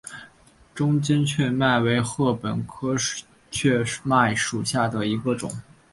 中间雀麦为禾本科雀麦属下的一个种。